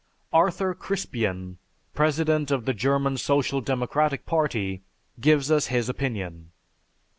Arthur Crispien, president of the German Social Democratic Party, gives us his opinion.